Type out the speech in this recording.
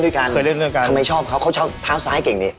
ทำไมชอบเขาเขาชอบเท้าซ้ายเก่งดิ